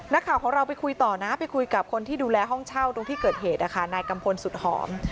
นักข่าวของเราไปคุยต่อนะไปคุยกับคนที่ดูแลห้องเช่าตรงที่เกิดเหตุนะคะนายกัมพลสุดหอม